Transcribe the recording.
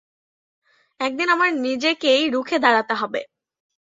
একদিন আমার নিজেকেই রুখে দাঁড়াতে হবে।